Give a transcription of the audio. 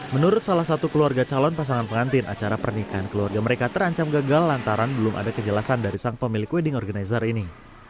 menurut salah satu keluarga calon pasangan pengantin acara pernikahan keluarga mereka terancam gagal lantaran belum ada kejelasan dari sang pemilik wedding organizer ini